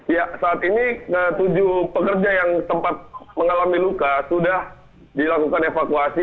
ya saat ini tujuh pekerja yang sempat mengalami luka sudah dilakukan evakuasi